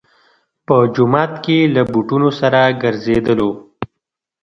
په جومات کې له بوټونو سره ګرځېدلو.